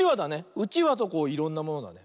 うちわといろんなものだね。